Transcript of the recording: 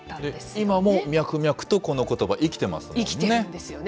今も脈々とこのことば、生き生きてるんですよね。